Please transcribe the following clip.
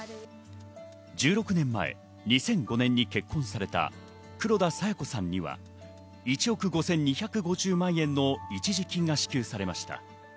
１６年前、２００５年に結婚された黒田清子さんには１億５２５０万円の一時金が支給されました。